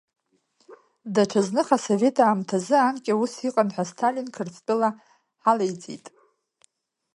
Даҽа зных, асовет аамҭазы, анкьа ус иҟан ҳәа, Сталин Қырҭтәыла ҳалеиҵеит…